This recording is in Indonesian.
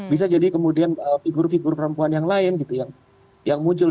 bisa jadi kemudian figur figur perempuan yang lain gitu yang muncul